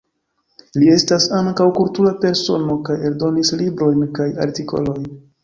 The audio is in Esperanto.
Li estas ankaŭ kultura persono kaj eldonis librojn kaj artikolojn.